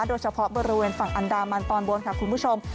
โดยเฉพาะบริเวณฝั่งอันดามันตอนบนค่ะคุณผู้ชม